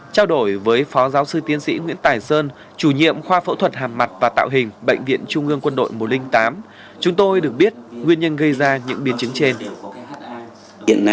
trao đổi với phó giáo sư tiến sĩ nguyễn tài sơn chủ nhiệm khoa phẫu thuật hàm mặt và tạo hình bệnh viện trung ương quân đội một trăm linh tám chúng tôi được biết nguyên nhân gây ra những biến chứng trên